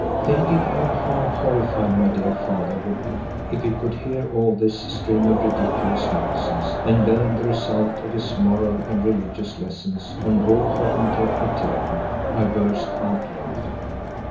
Thinking of how horrified my dear father would be if he could hear all this string of ridiculous nonsense and learn the result of his moral and religious lessons on raw Hottentot material, I burst out laughing.